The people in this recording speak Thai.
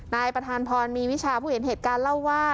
นายประธานพรมีวิชาผู้เห็นเหตุการณ์เล่าว่า